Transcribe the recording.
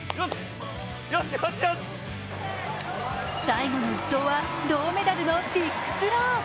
最後の１投は銅メダルのビッグスロー。